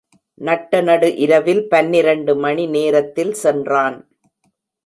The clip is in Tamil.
நட்ட நடு இரவில் பன்னிரண்டு மணி நேரத்தில் சென்றான்.